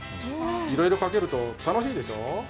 いろいろかけると楽しいでしょ。